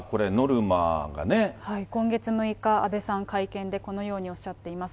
今月６日、阿部さん、会見でこのようにおっしゃっています。